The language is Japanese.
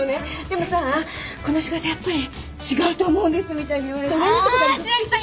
でもさこの仕事やっぱり違うと思うんですみたいに言われるとさ。